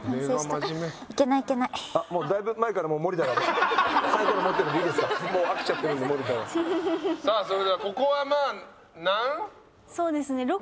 そうですね。